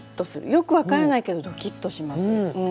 よく分からないけどドキッとします。